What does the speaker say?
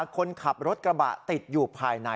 คนขับรถกระบะติดอยู่ภายใน